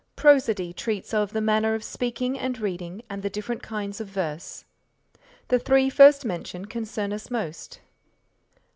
Prosody treats of the manner of speaking and reading and the different kinds of verse. The three first mentioned concern us most.